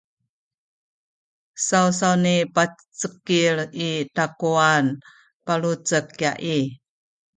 sawsawni pacekil i takuwan palucek kya i